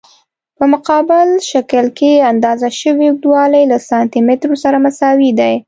په مقابل شکل کې اندازه شوی اوږدوالی له سانتي مترو سره مساوي دی.